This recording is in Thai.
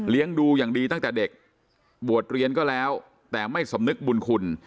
ดูอย่างดีตั้งแต่เด็กบวชเรียนก็แล้วแต่ไม่สำนึกบุญคุณ